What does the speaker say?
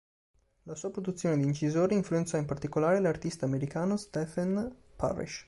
La sua produzione di incisore influenzò in particolare l'artista americano Stephen Parrish.